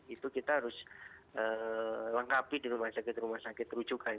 itu kita harus lengkapi di rumah sakit rumah sakit rujukan